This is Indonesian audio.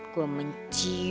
gue mencium bahaya